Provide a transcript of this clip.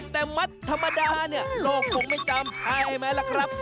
แต่มัดธรรมดาเนี่ยโลกคงไม่จำใช่ไหมล่ะครับ